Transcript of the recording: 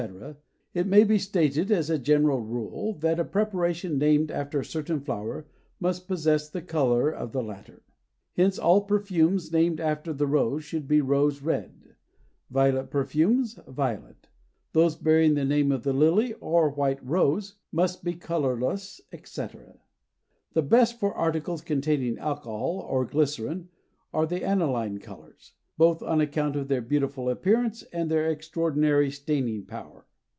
—it may be stated as a general rule that a preparation named after a certain flower must possess the color of the latter. Hence all perfumes named after the rose should be rose red; violet perfumes, violet; those bearing the name of the lily or white rose must be colorless, etc. The best for articles containing alcohol or glycerin are the aniline colors, both on account of their beautiful appearance and their extraordinary staining power.